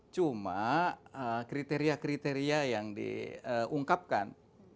cuma kriteria kriteria yang diungkapkan